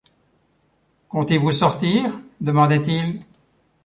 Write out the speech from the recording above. Comptez-vous sortir, demanda-t-il.